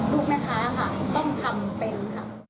ลูกค้าค่ะต้องทำเป็นค่ะ